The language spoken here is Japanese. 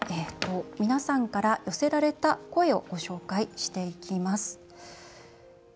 皆さんから寄せられた声をご紹介していきます。